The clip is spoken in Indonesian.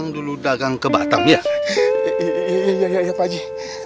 dulu dagang ke batam ya iya iya iya pak ji